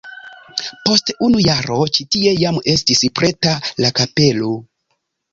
Post unu jaro ĉi tie jam estis preta la kapelo.